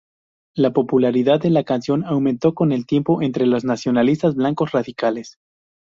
La popularidad de la canción aumentó con el tiempo entre los nacionalistas blancos radicales.